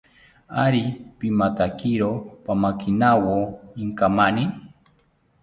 Ari pimatakiro pamakinawo inkamani